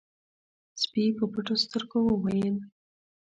سپي په پټو سترګو وويل: